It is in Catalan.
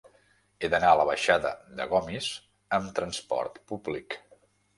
He d'anar a la baixada de Gomis amb trasport públic.